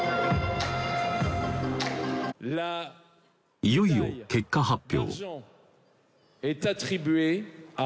いよいよ結果発表